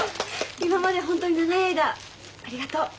今までホントに長い間ありがとう。